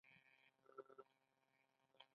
امنیت د پرمختګ شرط دی